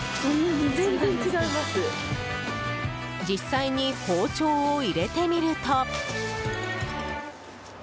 実際に包丁を入れてみると。